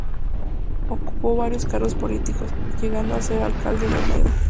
Ocupó varios cargos políticos, llegando a ser alcalde de Oviedo.